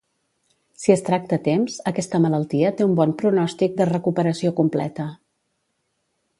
Si es tracta a temps, aquesta malaltia té un bon pronòstic de recuperació completa.